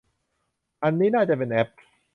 อันนั้นน่าจะเป็นแอป